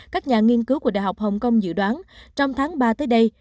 các nhà nghiên cứu của đại học hồng kông dự đoán trong tháng ba tới đây